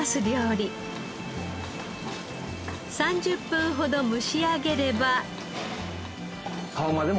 ３０分ほど蒸し上げれば。